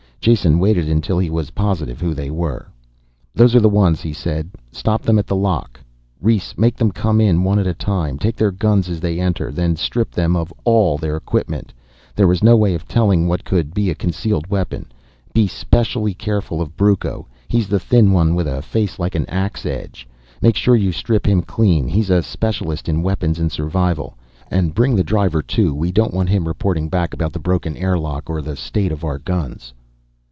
Jason waited until he was positive who they were. "Those are the ones," he said. "Stop them at the lock, Rhes, make them come in one at a time. Take their guns as they enter, then strip them of all their equipment. There is no way of telling what could be a concealed weapon. Be specially careful of Brucco he's the thin one with a face like an ax edge make sure you strip him clean. He's a specialist in weapons and survival. And bring the driver too, we don't want him reporting back about the broken air lock or the state of our guns."